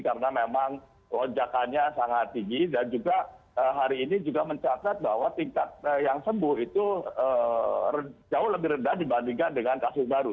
karena memang lonjakannya sangat tinggi dan juga hari ini juga mencatat bahwa tingkat yang sembuh itu jauh lebih rendah dibandingkan dengan kasus baru